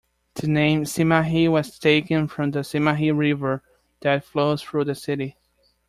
The name Cimahi was taken from the Cimahi river that flows through the city.